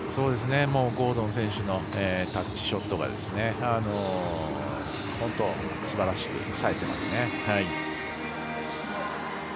ゴードン選手のタッチショットが本当にすばらしくさえていますね。